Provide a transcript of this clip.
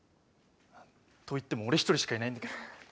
といっても俺一人しかいないんだけどね。